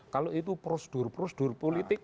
kalau itu prosedur prosedur politik